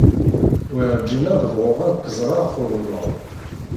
Werjin ad bɣuɣ ad k-ẓreɣ tuḍneḍ.